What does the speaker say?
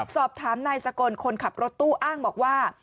สอบถามนายสกลคนขับรถตู้อ้างบอกว่า